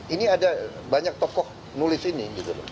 ini ada banyak tokoh nulis ini